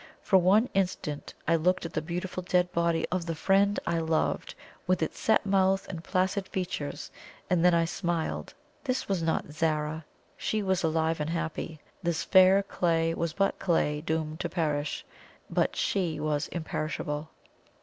For one instant I looked at the beautiful dead body of the friend I loved, with its set mouth and placid features, and then I smiled. This was not Zara SHE was alive and happy; this fair clay was but clay doomed to perish, but SHE was imperishable.